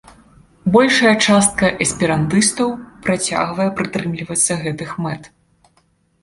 Большая частка эсперантыстаў працягвае прытрымлівацца гэтых мэт.